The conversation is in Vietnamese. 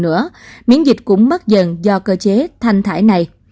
nếu không còn tác nhân gây bệnh nữa miễn dịch cũng mất dần do cơ chế thanh thải này